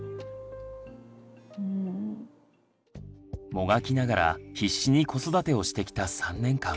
もがきながら必死に子育てをしてきた３年間。